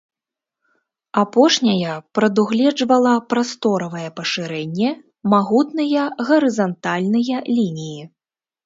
Апошняя прадугледжвала прасторавае пашырэнне, магутныя гарызантальныя лініі.